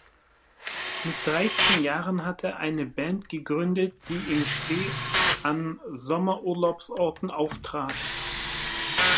Mit dreizehn Jahren hat er eine Band gegründet, die in Ste an Sommerurlaubsorten auftrat.